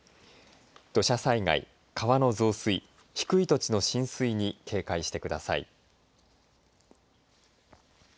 土砂災害、川の増水低い土地の浸水に警戒してください。